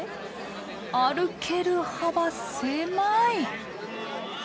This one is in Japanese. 歩ける幅狭い。